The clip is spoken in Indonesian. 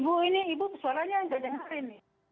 ibu ini ibu suaranya nggak dengerin